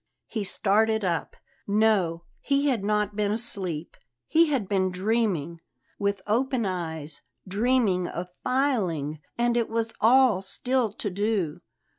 He started up. No, he had not been asleep; he had been dreaming with open eyes dreaming of filing, and it was all still to do.